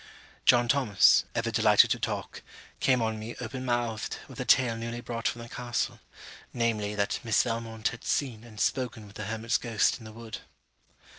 John Thomas, ever delighted to talk, came on me open mouthed, with a tale newly brought from the castle: namely, that Miss Valmont had seen and spoken with the hermit's ghost in the wood.